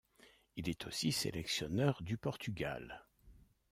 Il est aussi sélectionneur du Portugal.